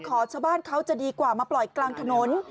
ชาวบ้านเขาจะดีกว่ามาปล่อยกลางถนน